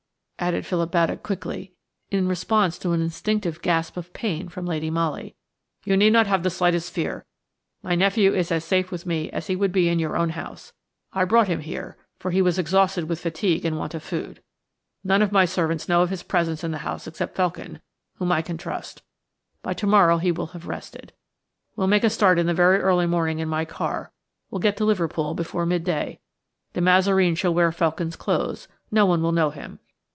added Philip Baddock quickly, in response to an instinctive gasp of pain from Lady Molly; "you need not have the slightest fear. My nephew is as safe with me as he would be in your own house. I brought him here, for he was exhausted with fatigue and want of food. None of my servants know of his presence in the house except Felkin, whom I can trust. By to morrow he will have rested. ... We'll make a start in the very early morning in my car; we'll get to Liverpool before midday. De Mazareen shall wear Felkin's clothes–no one will know him.